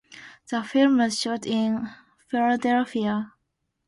The film was shot in Philadelphia.